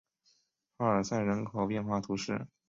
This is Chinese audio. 帕尔塞人口变化图示